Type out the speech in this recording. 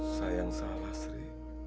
sayang salah sri